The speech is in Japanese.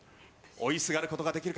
追いすがる事ができるか？